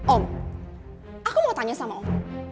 om aku mau tanya sama om